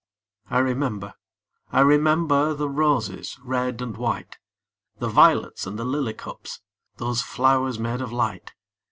I remember, I remember, The roses, red and white, The violets, and the lily cups, Those flowers made of light!